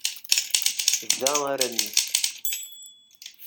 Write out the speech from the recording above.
Da ara nens.